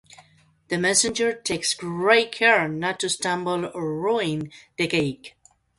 The messenger takes great care not to stumble or ruin the cake.